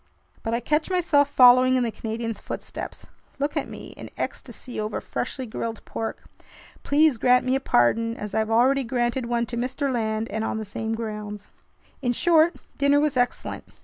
But I catch myself following in the Canadian's footsteps. Look at me—in ecstasy over freshly grilled pork! Please grant me a pardon as I've already granted one to Mr. Land, and on the same grounds! In short, dinner was excellent.